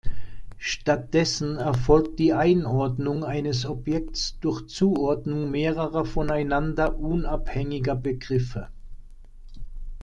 Stattdessen erfolgt die Einordnung eines Objekts durch Zuordnung mehrerer voneinander unabhängiger Begriffe.